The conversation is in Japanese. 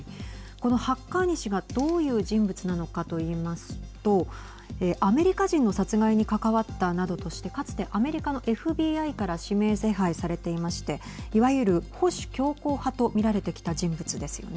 このハッカーニ氏はどういう人物なのかと言いますとアメリカ人の殺害に関わったなどとしてかつてアメリカのＦＢＩから指名手配されてましていわゆる保守強硬派と見られてきた人物ですよね。